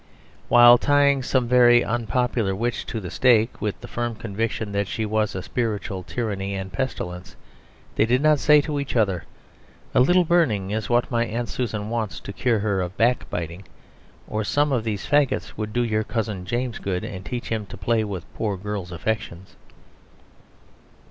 While tying some very unpopular witch to the stake, with the firm conviction that she was a spiritual tyranny and pestilence, they did not say to each other, "A little burning is what my Aunt Susan wants, to cure her of back biting," or "Some of these faggots would do your Cousin James good, and teach him to play with poor girls' affections."